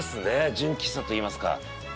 純喫茶といいますか。